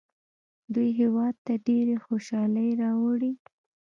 دوی هیواد ته ډېرې خوشحالۍ راوړي.